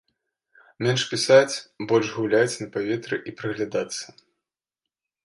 Менш пісаць, больш гуляць на паветры і прыглядацца!